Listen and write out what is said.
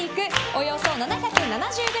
およそ７７０ｇ